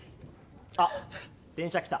あ、電車来た。